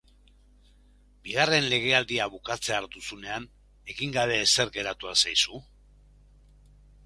Bigarren legealdia bukatzear duzunean, egin gabe ezer geratu al zaizu?